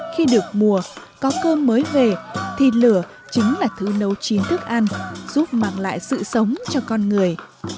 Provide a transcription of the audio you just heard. khi được mùa có cơm mới về thì lửa chính là thứ nấu chín thức ăn giúp mang lại sự sống cho con người